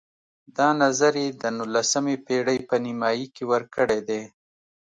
دا نظر یې د نولسمې پېړۍ په نیمایي کې ورکړی دی.